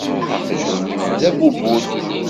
Aqjun-im d abubul.